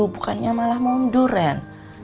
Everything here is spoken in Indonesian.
bukannya malah mundur ren